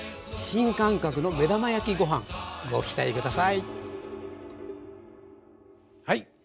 新感覚の目玉焼きご飯ご期待下さい！